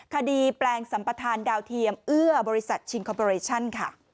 แปลงสัมประธานดาวเทียมเอื้อบริษัทชิงคอปอเรชั่นค่ะ